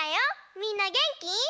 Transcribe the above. みんなげんき？